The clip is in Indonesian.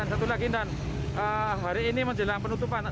dan satu lagi hari ini menjelang penutupan